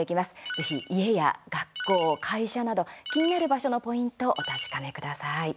ぜひ家や学校、会社など気になる場所のポイントお確かめください。